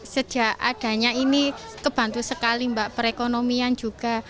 sejak adanya ini kebantu sekali mbak perekonomian juga